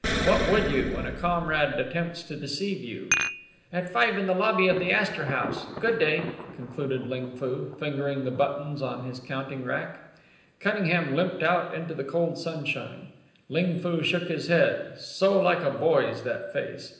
"What would you, when a comrade attempts to deceive you?" "At five in the lobby of the Astor House. Good day," concluded Ling Foo, fingering the buttons on his counting rack. Cunningham limped out into the cold sunshine. Ling Foo shook his head. So like a boy's, that face!